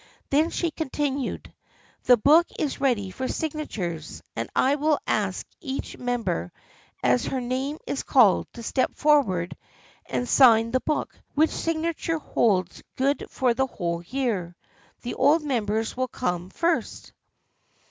Then she continued :" The book is ready for signatures, and I will ask each member as her name is called to step forward and sign the book, which signature holds good for the whole year. The old members will come first."